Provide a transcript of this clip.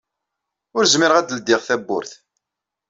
Ur zmireɣ ad d-ldiɣ tawwurt.